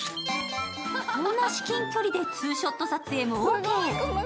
こんな至近距離でツーショット撮影もオーケー。